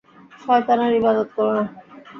শয়তানের ইবাদত কর না।